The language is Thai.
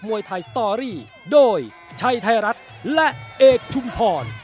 สวัสดีครับ